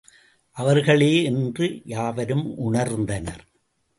அவர்களே என்று யாவரும் உணர்ந்தனர்.